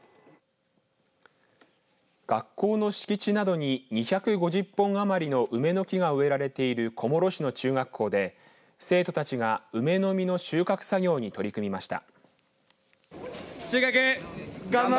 学校の敷地などに２５０本余りの梅の木が植えられている小諸市の中学校で生徒たちが梅の実の収穫作業に取り組みました。